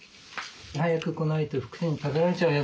早く来ないとふくに食べられちゃうよ